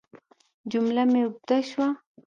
جمله مې اوږده شوه.